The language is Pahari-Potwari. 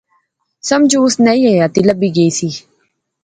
سمجھو اس نئی حیاتی لبی گئی سی